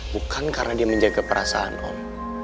bukan karena dia menjaga perasaan om